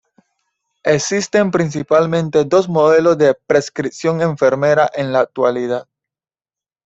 Existen principalmente dos modelos de prescripción enfermera en la actualidad.